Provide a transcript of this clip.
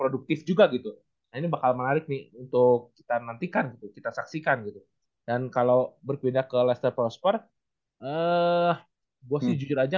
di sampingnya lester prosper gitu